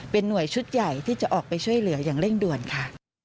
เป็นหน่วยชุดใหญ่ที่จะออกไปช่วยเหลืออย่างเร่งด่วนค่ะ